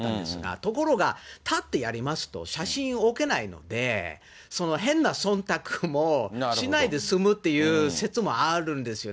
ところが、立ってやりますと、写真置けないので、変なそんたくもしないで済むっていう説もあるんですよね。